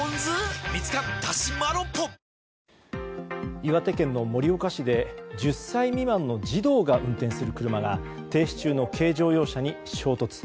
岩手県の盛岡市で１０歳未満の児童が運転する車が停止中の軽乗用車に衝突。